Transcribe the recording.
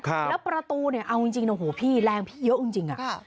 แล้วประตูเอาจริงแรงพี่เยอะจริง